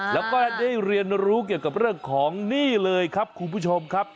แล้วก็ได้เรียนรู้เกี่ยวกับเรื่องของนี่เลยครับคุณผู้ชมครับ